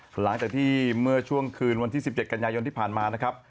หลังจากที่เมื่อช่วงคืนวันที่๑๗กันยายนที่ผ่านมานะครับ